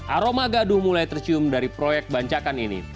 aroma gaduh mulai tercium dari proyek bancakan ini